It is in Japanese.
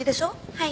はい。